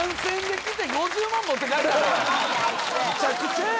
むちゃくちゃや。